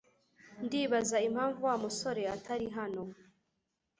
Ndibaza impamvu Wa musore atari hano